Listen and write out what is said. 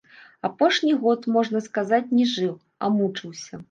Апошні год, можна сказаць, не жыў, а мучыўся.